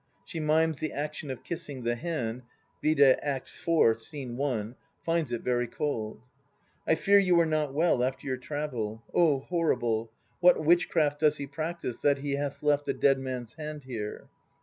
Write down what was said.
She mimes the action of kissing the hand (vide Act IV, Scene 1), finds it very cold: I fear you are not well after your travel. Oh! horrible! What witchcraft does he practise, that he hath left A dead man's hand here?